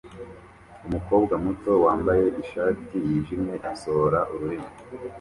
Umukobwa muto wambaye ishati yijimye asohora ururimi